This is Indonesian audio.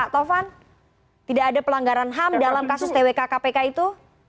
tidak ada pelanggaran ham dalam kasus twk kpk itu